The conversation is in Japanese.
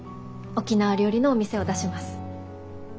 沖縄料理のお店を出します。